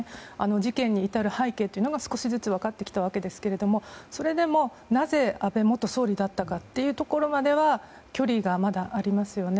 事件に至る背景というのが少しずつ分かってきたわけですがそれでもなぜ安倍元総理だったかというところまでは距離がまだありますよね。